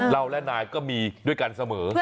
เราและนายก็มีด้วยกันเสมอ